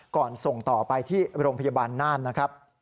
ส่งต่อไปที่โรงพยาบาลน่านนะครับ